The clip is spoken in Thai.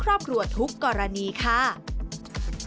เธออยากให้ชี้แจ่งความจริง